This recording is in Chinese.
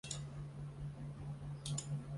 常栖息在泥沙质海底。